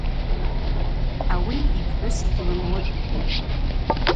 Ауи йпхӏвыс йыгьлымуытӏ.